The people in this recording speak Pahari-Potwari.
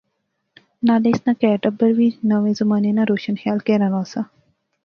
نالے اس ناں کہر ٹبر وی ناوے زمانے ناں روشن خیال کہرانہ سا